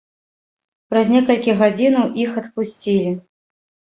Праз некалькі гадзінаў іх адпусцілі.